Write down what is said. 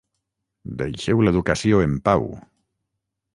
Deixeu l’educació en pau.